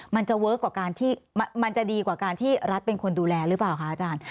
มันจะดีกว่าการที่รัฐเป็นคนดูแลหรือเปล่าค่ะอาจารย์